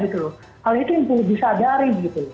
hal itu yang perlu disadari